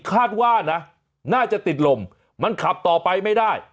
คาดว่านะน่าจะติดลมมันขับต่อไปไม่ได้